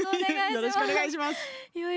よろしくお願いします。